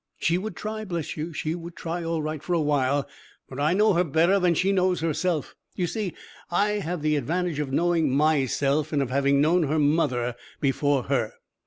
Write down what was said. She would try, bless you! she would try all right for a while but I know her better than she knows herself. You see, I have the advantage of knowing myself and of having known her mother before her.